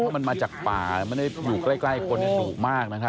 เพราะมันมาจากป่าไม่ได้อยู่ใกล้คนดุมากนะครับ